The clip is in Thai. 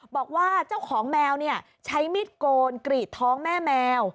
บอกว่าเจ้าของแมวใช้มิดโกนกรีดท้องแม่แมว